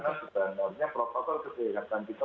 karena sebenarnya protokol kesehatan kita